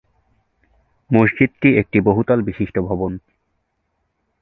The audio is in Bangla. মসজিদটি একটি একটি বহুতল বিশিষ্ট ভবন।